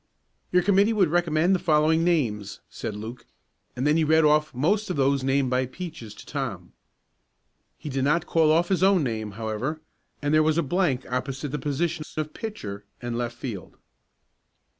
"Your committee would recommend the following names," said Luke, and then he read off most of those named by Peaches to Tom. He did not call off his own name, however, and there was a blank opposite the positions of pitcher and left field.